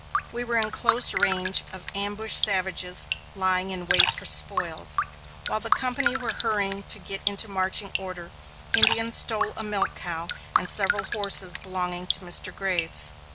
We were in close range of ambushed savages, lying in wait for spoils. While the company were hurrying to get into marching order, Indians stole a milch cow and several horses belonging to Mr. Graves.